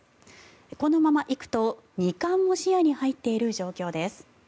このままいくと２冠も視野に入っている状況です。